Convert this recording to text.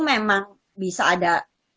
memang bisa ada